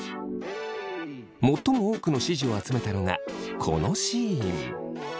最も多くの支持を集めたのがこのシーン。